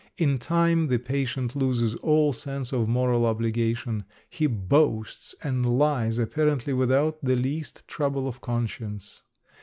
In time the patient loses all sense of moral obligation; he boasts and lies apparently without the least trouble of conscience.